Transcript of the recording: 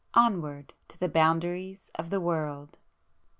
Onward, to the boundaries of the world!"